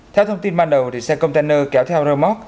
theo thông tin ban đầu xe container kéo theo rơ móc